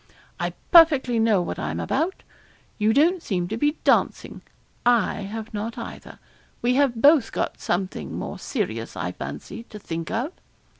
I perfectly know what I'm about. You don't seem to be dancing. I have not either; we have both got something more serious, I fancy, to think of.'